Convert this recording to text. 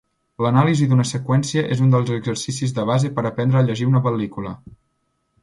L'anàlisi d'una seqüència és un dels exercicis de base per aprendre a llegir una pel·lícula.